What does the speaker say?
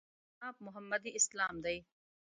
ناب محمدي اسلام دی.